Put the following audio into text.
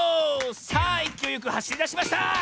さあいきおいよくはしりだしました！